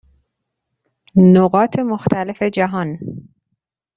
نقاط مختلف جهان